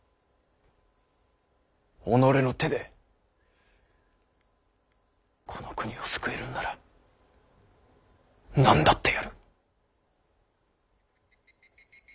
己の手でこの国を救えるんなら何だってやる。